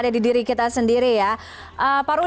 jadi pengkatel dirinya seperti itu